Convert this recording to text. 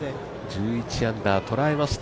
１１アンダー捉えました、